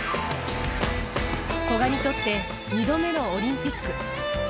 古賀にとって２度目のオリンピック。